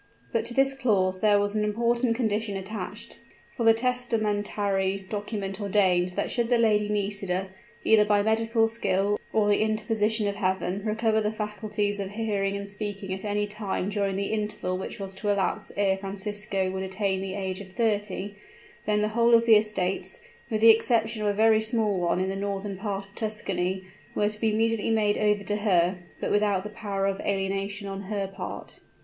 But to this clause there was an important condition attached; for the testamentary document ordained that should the Lady Nisida either by medical skill, or the interposition of Heaven recover the faculties of hearing and speaking at any time during the interval which was to elapse ere Francisco would attain the age of thirty, then the whole of the estates, with the exception of a very small one in the northern part of Tuscany, were to be immediately made over to her; but without the power of alienation on her part.